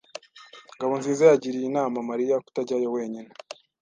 Ngabonziza yagiriye inama Mariya kutajyayo wenyine.